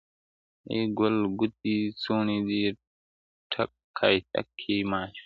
اې گل گوتې څوڼې دې، ټک کایتک کي مه اچوه